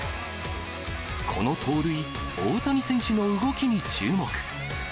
この盗塁、大谷選手の動きに注目。